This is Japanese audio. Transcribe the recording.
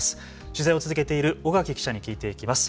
取材を続けている尾垣記者に聞いていきます。